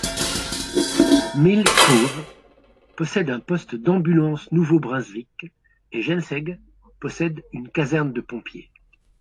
Mill Cove possède un poste d'Ambulance Nouveau-Brunswick et Jemseg possède une caserne de pompiers.